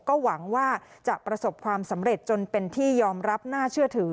ก็หวังว่าจะประสบความสำเร็จจนเป็นที่ยอมรับน่าเชื่อถือ